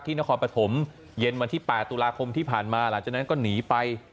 นครปฐมเย็นวันที่๘ตุลาคมที่ผ่านมาหลังจากนั้นก็หนีไป